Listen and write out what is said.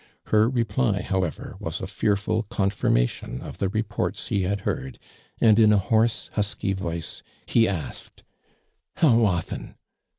Her reply, however, was a fearful contirniation of the reports he Iwul hoai d, and in a hoarse, husky voice he asked :'■ I low often?'